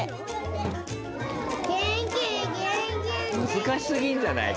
難しすぎんじゃない？